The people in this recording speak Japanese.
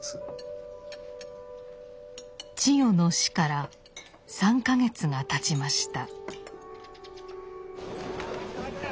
千代の死から３か月がたちました。